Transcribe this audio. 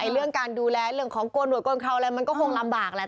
เรื่องการดูแลเรื่องของโกนหวดโกนเคราวอะไรมันก็คงลำบากแหละ